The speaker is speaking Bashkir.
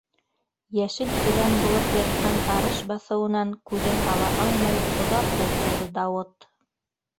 Йәшел келәм булып ятҡан арыш баҫыуынан күҙен ала алмай оҙаҡ ултырҙы Дауыт.